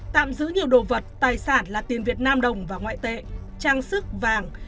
tạm giữ nhiều đồ vật tài sản là tiền việt nam đồng và ngoại tệ trang sức vàng